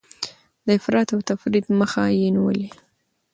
د افراط او تفريط مخه يې نيولې.